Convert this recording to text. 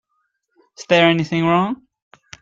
Is there anything wrong?